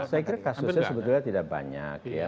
saya kira kasusnya sebetulnya tidak banyak ya